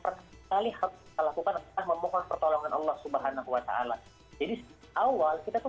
pertama kali harus lakukan memohon pertolongan allah subhanahu wa ta'ala jadi awal kita tuh